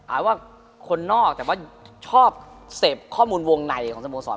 ว่าคนนอกแต่ว่าชอบเสพข้อมูลวงในของสโมสร